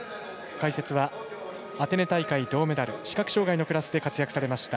解説はアテネ大会銅メダル視覚障がいのクラスで活躍されました